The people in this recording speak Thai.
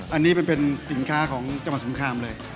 อันนี้เป็นสินค้าของจังหวัดสงครามเลย